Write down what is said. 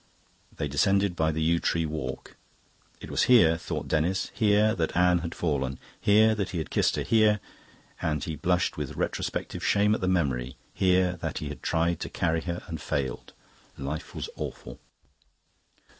They descended by the yew tree walk. It was here, thought Denis, here that Anne had fallen, here that he had kissed her, here and he blushed with retrospective shame at the memory here that he had tried to carry her and failed. Life was awful!